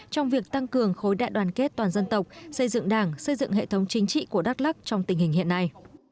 trong việc tăng cường khối đại đoàn kết toàn dân tộc xây dựng đảng xây dựng hệ thống chính trị của đắk lắc trong tình hình hiện nay